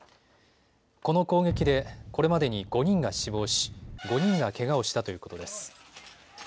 この攻撃でこれまでに５人が死亡し５人がけがをしたということです。